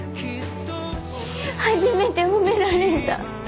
初めて褒められた。